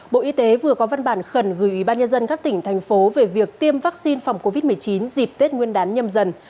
bộ y tế vừa có văn bản khẩn gửi ủy ban nhân dân các tỉnh thành phố về việc tiêm vaccine phòng covid một mươi chín dịp tết nguyên đán nhâm dần